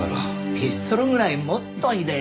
ピストルぐらい持っといでよ。